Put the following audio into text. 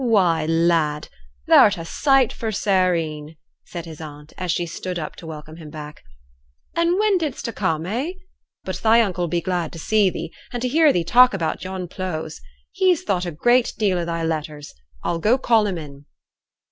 'Why, lad! thou'rt a sight for sair een!' said his aunt, as she stood up to welcome him back. 'An' when didst ta come, eh? but thy uncle will be glad to see thee, and to hear thee talk about yon pleughs; he's thought a deal o' thy letters. I'll go call him in.'